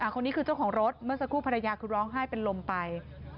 คนนี้คือเจ้าของรถเมื่อสักครู่ภรรยาคือร้องไห้เป็นลมไป